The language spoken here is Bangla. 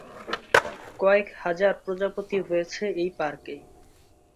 কয়েক হাজার প্রজাপতি রয়েছে এ পার্কে।